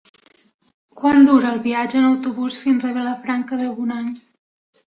Quant dura el viatge en autobús fins a Vilafranca de Bonany?